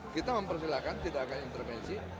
kita mempersilahkan tidak ada intervensi